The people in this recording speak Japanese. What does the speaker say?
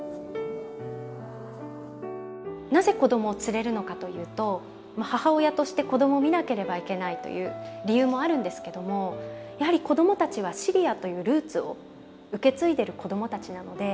なぜ子供を連れるのかというと母親として子供を見なければいけないという理由もあるんですけどもやはり子供たちはシリアというルーツを受け継いでる子供たちなので。